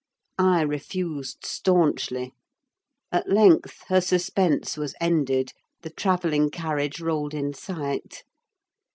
I refused staunchly. At length her suspense was ended: the travelling carriage rolled in sight.